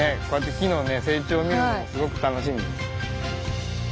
こうやって木のね成長を見るのもすごく楽しみです。